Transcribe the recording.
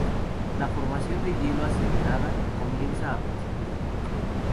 La formación de hielo acelerada comienza a principios de junio.